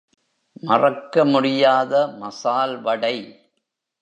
மறக்கமுடியாத மசால் வடை.